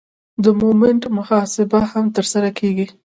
د مومنټ محاسبه هم ترسره کیږي